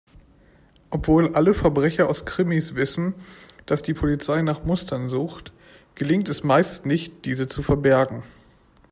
Obwohl alle Verbrecher aus Krimis wissen, dass die Polizei nach Mustern sucht, gelingt es meist nicht, diese zu verbergen.